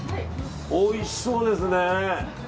おいしそうですね。